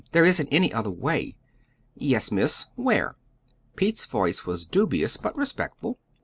There isn't any other way!" "Yes, Miss; where?" Pete's voice was dubious, but respectful.